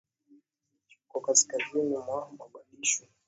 ichoko kaskazini mwa mogadishu